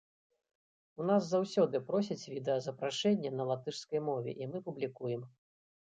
У нас заўсёды просяць відэазапрашэнне на латышскай мове і мы публікуем.